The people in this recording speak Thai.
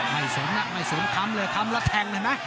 ไม่สนนะไม่สนทำเลยทำแล้วแทงดูนะ